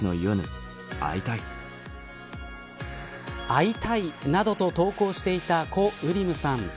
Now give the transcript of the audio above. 会いたいなどと投稿していたコ・ウリムさん